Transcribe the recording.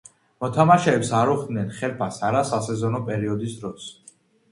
მოთამაშეებს არ უხდიდნენ ხელფასს არა სასეზონო პერიოდის დროს.